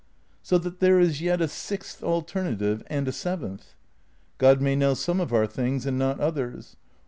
So that there is yet a sixth alternative and a seventh. God may know some of our things and not others.